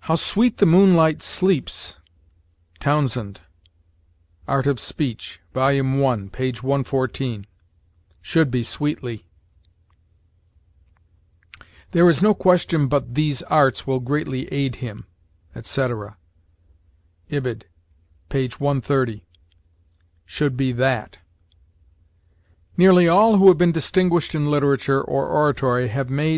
"How sweet the moonlight sleeps!" Townsend, "Art of Speech," vol. i, p. 114. Should be sweetly. "There is no question but these arts ... will greatly aid him," etc. Ibid., p. 130. Should be that. "Nearly all who have been distinguished in literature or oratory have made